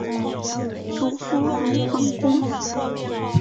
祖父鲁本恭。